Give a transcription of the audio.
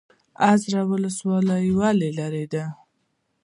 ازرې ولسوالۍ ولې لیرې ده؟